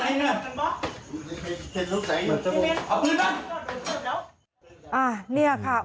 เอาคืนบ้าง